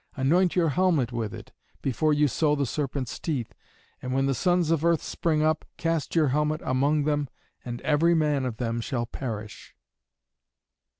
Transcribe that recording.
Anoint your helmet with it, before you sow the serpents' teeth, and when the sons of earth spring up, cast your helmet among them, and every man of them shall perish."